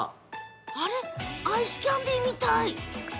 アイスキャンデーみたい。